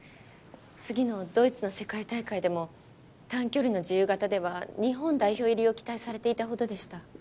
次のドイツの世界大会でも短距離の自由形では日本代表入りを期待されていたほどでした。